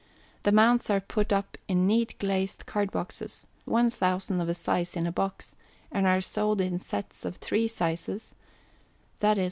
The Mounts are put up in neat glazed card boxes, 1,000 of a size in a box, and are sold in sets of three sizes, viz.